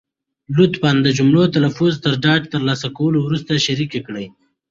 لطفا د جملو تلفظ تر ډاډ تر لاسه کولو وروسته شریکې کړئ.